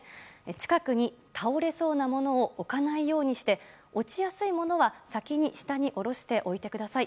近くに倒れそうなものを置かないようにして落ちやすいものは先に下に下ろしておいてください。